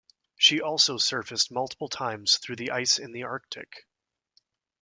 She also surfaced multiple times through the ice in the arctic.